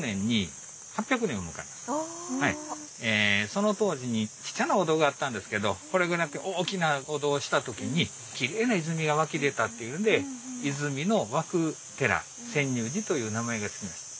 その当時にちっちゃなお堂があったんですけどこれぐらい大きなお堂にした時にきれいな泉が湧き出たっていうんで泉の湧く寺泉涌寺という名前が付きました。